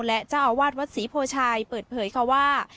และเจ้าอาวาสวัดศรีโพชัยเปิดเผยค่ะว่า